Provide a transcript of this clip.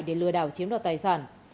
để lừa đảo chiếm đặt tài sản